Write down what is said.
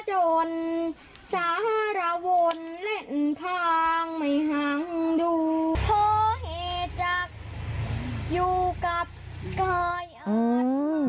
โทษให้จักรอยู่กับกายอด